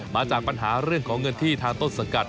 มาจากปัญหาเรื่องของเงินที่ทางต้นสังกัด